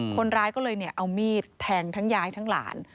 คนร้ายก็เลยเอามีดแทงทั้งยายทั้งหลาน